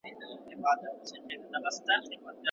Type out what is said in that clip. ساینس پوهان د کائناتو د پیل په اړه پوښتنه کوي.